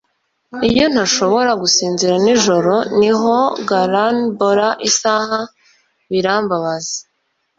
iyo ntashobora gusinzira nijoro niho gualainbora isaha birambabaza